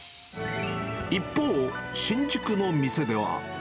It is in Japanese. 一方、新宿の店では。